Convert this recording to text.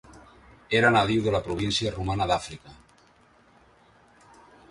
Era nadiu de la província romana d'Àfrica.